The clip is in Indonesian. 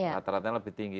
rata ratanya lebih tinggi